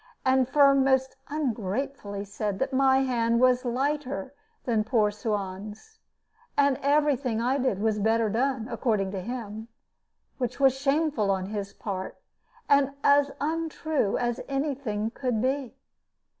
And Firm most ungratefully said that my hand was lighter than poor Suan's, and every thing I did was better done, according to him, which was shameful on his part, and as untrue as any thing could be.